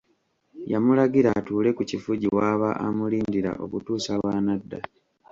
Yamulagira atuule ku kifugi w’aba amulindira okutuusa lw’anadda.